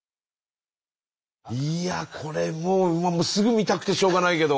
いやこれもうすぐ見たくてしょうがないけど。